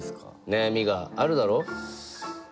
悩みがあるだろう？